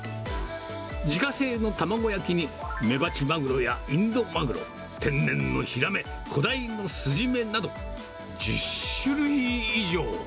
自家製の卵焼きにメバチマグロやインドマグロ、天然のヒラメ、小ダイの酢締めなど、１０種類以上。